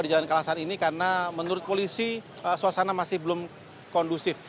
di jalan kalasan ini karena menurut polisi suasana masih belum kondusif